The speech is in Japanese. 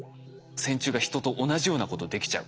線虫がヒトと同じようなことできちゃう。